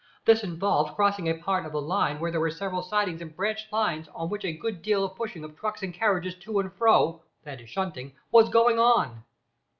This involved crossing a part of the line where there were several sidings and branch lines, on which a good deal of pushing of trucks and carriages to and fro that is "shunting" was going on.